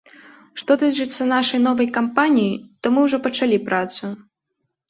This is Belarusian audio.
Што тычыцца нашай новай кампаніі, то мы ўжо пачалі працу.